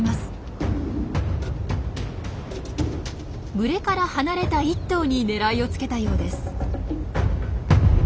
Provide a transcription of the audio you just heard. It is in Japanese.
群れから離れた１頭に狙いをつけたようです。